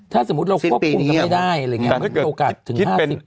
ถ้าสมมุติเราควบคุมกันไม่ได้มันมีโอกาสถึง๕๐นะ